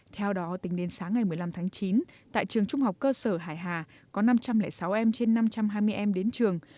theo đó tính đến sáng ngày một mươi năm tháng chín tại trường trung học cơ sở hải hà có năm trăm linh sáu em trên năm trăm hai mươi em đến trường